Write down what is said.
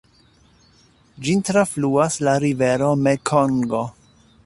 Ĝin trafluas la rivero Mekongo.